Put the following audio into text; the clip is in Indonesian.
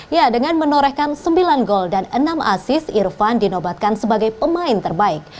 ya dengan menorehkan sembilan gol dan enam asis irfan dinobatkan sebagai pemain terbaik